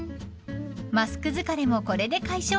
［マスク疲れもこれで解消］